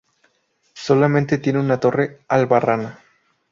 Solamente tiene una torre albarrana.